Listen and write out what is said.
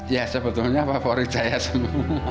ya sebetulnya favorit saya semua